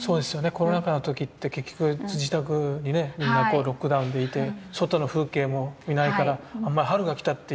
コロナ禍の時って結局自宅にねみんなロックダウンでいて外の風景も見ないからあんまり春が来たという感じ